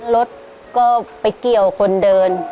รถก็ไปเกี่ยวคนเดิน